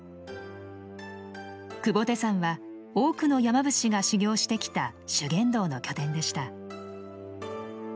求菩提山は多くの山伏が修行してきた修験道の拠点でした。